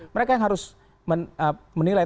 mereka yang harus menilai